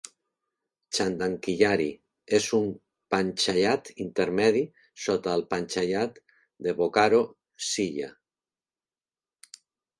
Chandankiyari és un panchayat intermedi sota el panchayat de Bokaro Zilla.